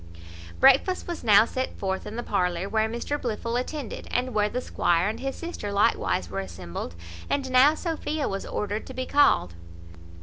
Breakfast was now set forth in the parlour, where Mr Blifil attended, and where the squire and his sister likewise were assembled; and now Sophia was ordered to be called.